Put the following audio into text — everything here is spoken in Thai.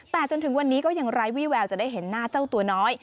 แต่จนถึงวันนี้ก็ยังไร้วี่แววจะได้เห็นหน้าเจ้าตัวน้อย